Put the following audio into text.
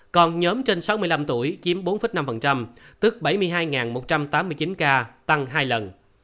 còn nhóm trên sáu mươi năm tuổi chiếm bốn năm tức bảy mươi hai một trăm tám mươi chín ca tăng hai lần